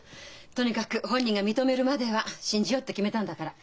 とにかく本人が認めるまでは信じようって決めたんだから。